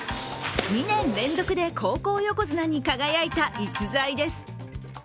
２年連続で高校横綱に輝いた逸材です。